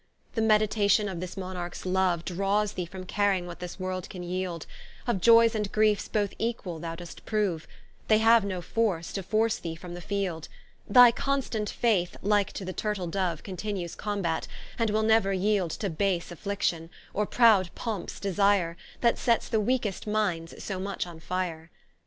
The meditation of this Monarchs love, Drawes thee from caring what this world can yield; Of joyes and griefes both equall thou dost prove, They have no force, to force thee from the field: Thy constant faith like to the Turtle Dove Continues combat, and will never yield To base affliction; or prowd pomps desire, That sets the weakest mindes so much on fire.